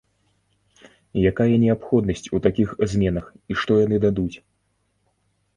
Якая неабходнасць у такіх зменах і што яны дадуць?